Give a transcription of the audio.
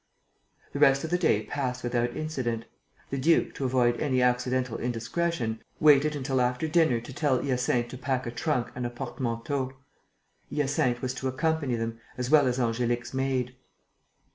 The rest of the day passed without incident. The duke, to avoid any accidental indiscretion, waited until after dinner to tell Hyacinthe to pack a trunk and a portmanteau. Hyacinthe was to accompany them, as well as Angélique's maid.